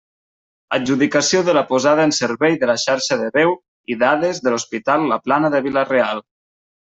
Adjudicació de la posada en servei de la xarxa de veu i dades de l'Hospital La Plana de Vila-real.